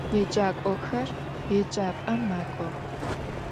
Yêcak'oxer yêcap'em mak'ox.